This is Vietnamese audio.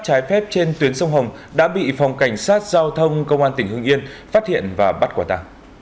trái phép trên tuyến sông hồng đã bị phòng cảnh sát giao thông công an tỉnh hương yên phát hiện và bắt quả tàng